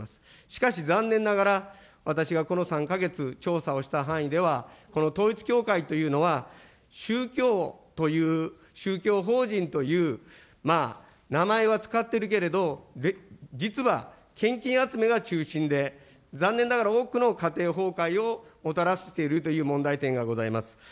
しかし残念ながら、私がこの３か月、調査をした範囲では、この統一教会というのは、宗教という宗教法人という、まあ、名前は使ってるけれど、実は献金集めが中心で、残念ながら、多くの家庭崩壊をもたらしているという問題点がございます。